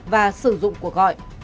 và sử dụng cuộc gọi